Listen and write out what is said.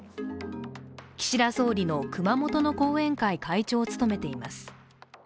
岸田総理の熊本の後援会会長を務めています。